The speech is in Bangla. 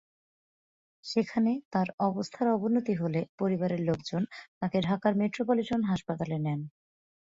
সেখানে তাঁর অবস্থার অবনতি হলে পরিবারের লোকজন তাঁকে ঢাকার মেট্রোপলিটন হাসপাতালে নেন।